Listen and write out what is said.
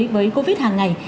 với covid hàng ngày